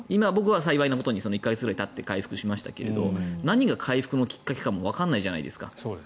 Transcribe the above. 幸いなことに１か月くらいたって回復しましたけど何が回復のきっかけかもわからないじゃないですか。